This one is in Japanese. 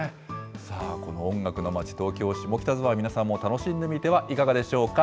さあ、この音楽の町、東京・下北沢、皆さんも楽しんでみてはいかがでしょうか。